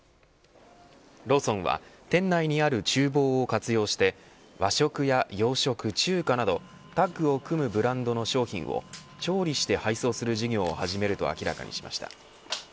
ローソンは店内にある厨房を活用して和食や洋食、中華などタッグを組むブランドの商品を調理して配送する事業を始めると明らかにしました。